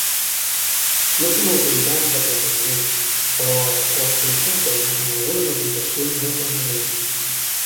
No són autoritats de planejament, però les consulten en algunes aplicacions de planejament.